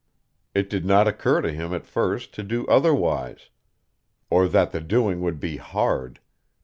It did not occur to him at first to do otherwise, or that the doing would be hard.